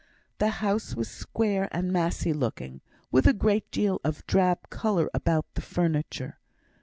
The house was square and massy looking, with a great deal of drab colour about the furniture.